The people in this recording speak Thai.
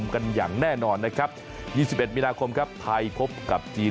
กันอย่างแน่นอนนะครับ๒๑มีนาคมครับไทยพบกับจีน